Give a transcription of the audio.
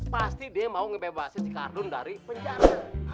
pasti dia mau ngebebasin si kardun dari penjara